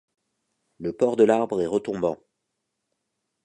Le port de l'arbre est retombant.